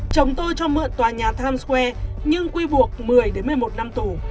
chồng tôi cho mượn tòa nhà times square nhưng quy buộc một mươi một mươi một năm tù